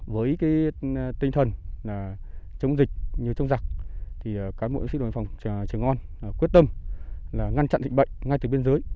với tinh thần chống dịch như chống giặc cán bộ sĩ đồn biên phòng trường on quyết tâm ngăn chặn dịch bệnh ngay từ biên giới